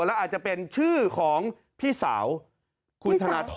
แล้วอาจจะเป็นชื่อของพี่สาวคุณธนทร